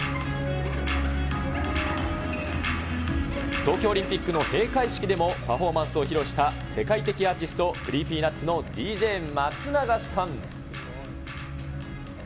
東京オリンピックの閉会式でもパフォーマンスを披露した世界的アーティスト、クリーピーナッツのＤＪ松永さん。